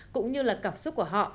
cũng như là cảm xúc của họ